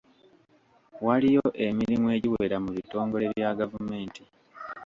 Waliyo emirimu egiwera mu bitongole bya gavumenti.